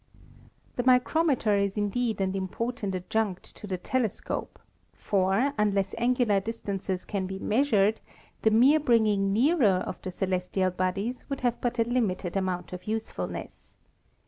The micrometer is indeed an important adjunct to the telescope, for, unless angular distances can be measured, the mere bringing nearer of the celestial bodies would have but a limited amount of usefulness.